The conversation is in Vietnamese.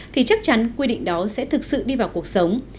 thì chắc chắn quy định đó sẽ thực sự đi vào cuộc sống